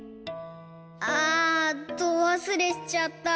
あどわすれしちゃった。